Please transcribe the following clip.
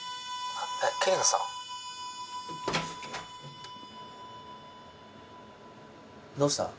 「えっ桐野さん」どうした？